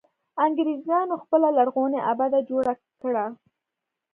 انګرېزانو خپله لرغونې آبده جوړه کړه.